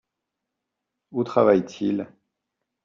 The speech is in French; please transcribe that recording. Où travaille-t-il ?